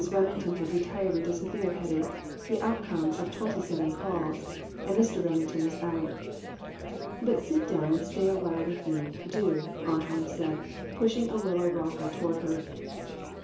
Remington had retired with a severe headache, the outcome of twenty seven calls, and Mr. Remington was out. "But sit down and stay awhile with me, do," Aunt Hannah said, pushing a willow rocker toward her.